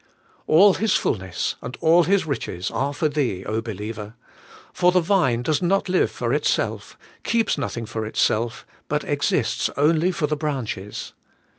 All His fulness and all His riches are for thee, be liever; for the vine does not live for itself, keeps nothing for itself, but exists only for the branches.